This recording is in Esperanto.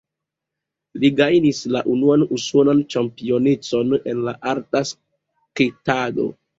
Li gajnis la unuan usonan ĉampionecon en la arta sketado.